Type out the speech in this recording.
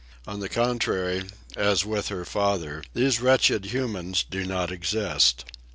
On the contrary, as with her father, these wretched humans do not exist.